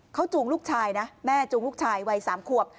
เขาจูงลูกชายนะแม่จูงลูกชายวัย๓ขวบ